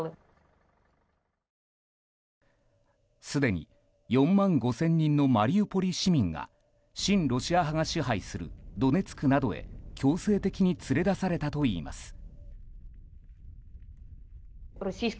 すでに４万５０００人のマリウポリ市民が親ロシア派が支配するドネツクなどへ強制的に連れ出されたといいます。